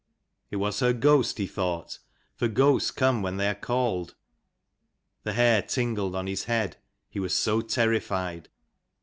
It was her ghost, he thought: for ghosts come when they are called. The hair tingled on his head, he was so terrified.